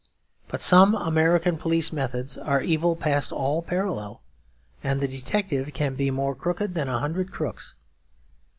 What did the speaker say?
But some American police methods are evil past all parallel; and the detective can be more crooked than a hundred crooks.